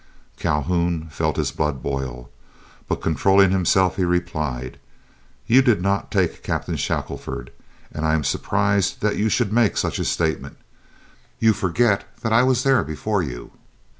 Calhoun felt his blood boil, but controlling himself, he replied: "You did not take Captain Shackelford, and I am surprised that you should make such a statement. You forget that I was there before you."